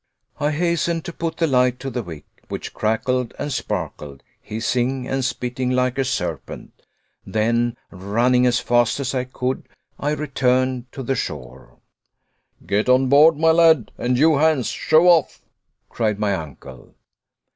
I hastened to put the light to the wick, which crackled and sparkled, hissing and spitting like a serpent; then, running as fast as I could, I returned to the shore. "Get on board, my lad, and you, Hans, shove off," cried my uncle.